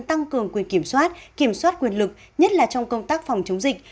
tăng cường quyền kiểm soát kiểm soát quyền lực nhất là trong công tác phòng chống dịch